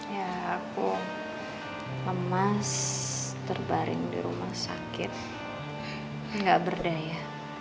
ya aku lemas terbaring di rumah sakit nggak berdaya